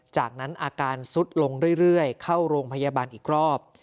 จากนั้นอาการซุดลงเรื่อยเข้าโรงพยาบาลอีกรอบ